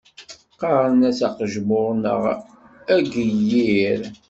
Qqaren-as aqejmur neɣ ageyyir.